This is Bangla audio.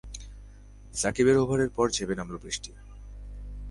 সাকিবের ওভারের পর ঝেঁপে নামল বৃষ্টি।